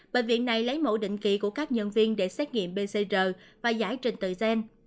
bệnh viện này lấy mẫu định kỳ của các nhân viên để xét nghiệm pcr và giải trình tự gen